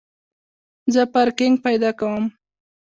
زه پارکینګ پیدا کوم